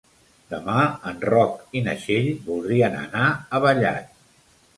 Demà en Roc i na Txell voldrien anar a Vallat.